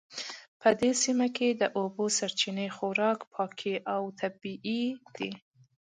په دې سیمه کې د اوبو سرچینې خورا پاکې او طبیعي دي